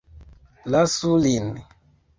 Lasu lin!